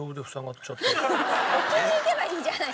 置きにいけばいいじゃない！